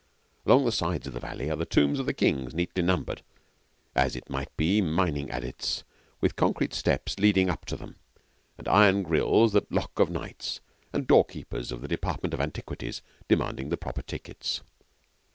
Along the sides of the valley are the tombs of the kings neatly numbered, as it might be mining adits with concrete steps leading up to them, and iron grilles that lock of nights, and doorkeepers of the Department of Antiquities demanding the proper tickets.